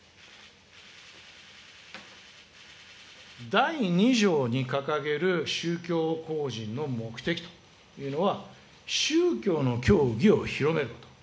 第２条に掲げる宗教法人の目的というのは、宗教の教義を広めること。